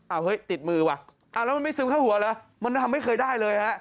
เอาเฮ้ยติดมือว่ะอ้าวแล้วมันไม่ซึมเข้าหัวเหรอมันทำไม่เคยได้เลยฮะ